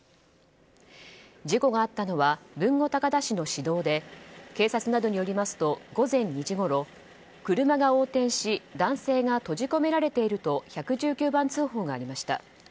事故があったのは豊後高田市の市道で警察などによりますと午前２時ごろ車が横転し、男性が閉じ込められていると１１９番通報がありました。